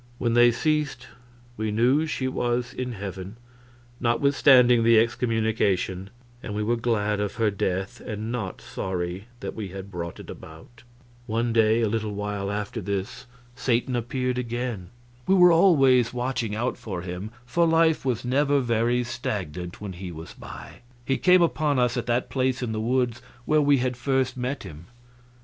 When they ceased we knew she was in heaven, notwithstanding the excommunication; and we were glad of her death and not sorry that we had brought it about. One day, a little while after this, Satan appeared again. We were always watching out for him, for life was never very stagnant when he was by. He came upon us at that place in the woods where we had first met him.